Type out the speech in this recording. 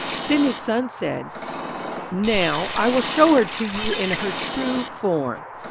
Then his son said, 'Now, I will show her to you in her true form.'